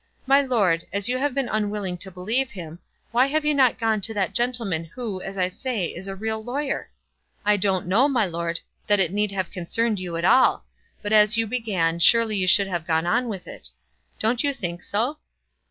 My lord, as you have been unwilling to believe him, why have you not gone to that gentleman who, as I say, is a real lawyer? I don't know, my lord, that it need have concerned you at all, but as you began, you surely should have gone on with it. Don't you think so?"